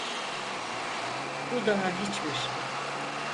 Bu daha hiçbir şey.